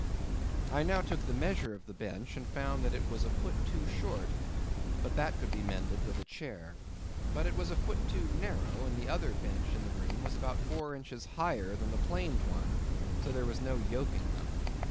I now took the measure of the bench, and found that it was a foot too short; but that could be mended with a chair. But it was a foot too narrow, and the other bench in the room was about four inches higher than the planed one—so there was no yoking them.